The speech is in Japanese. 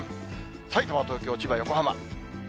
さいたま、東京、千葉、横浜。